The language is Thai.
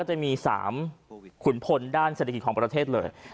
จะมี๓ขุนพลด้านเศรษฐกิจของประเทศเลย